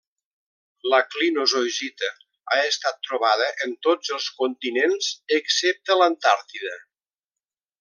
La clinozoisita ha estat trobada en tots els continents excepte l’Antàrtida.